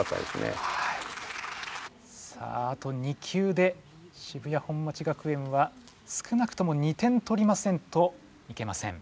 さああと２球で渋谷本町学園は少なくとも２点取りませんといけません。